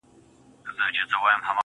زما په لاس كي هتكړۍ داخو دلې ويـنـمـه,